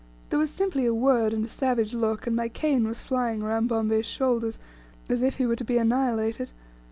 There was simply a word and a savage look, and my cane was flying around Bombay's shoulders, as if he were to be annihilated.